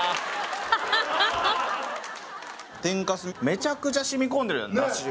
めちゃくちゃ染みこんでるやん出汁